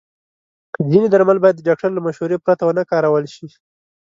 ځینې درمل باید د ډاکټر له مشورې پرته ونه کارول شي.